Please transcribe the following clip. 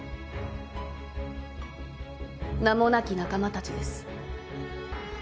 名もなき仲間たちです。